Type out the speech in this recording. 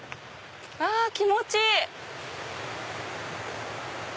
うわ気持ちいい！